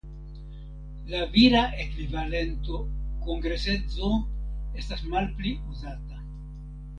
La vira ekvivalento kongresedzo estas malpli uzata.